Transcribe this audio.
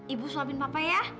ibu suamin papa ya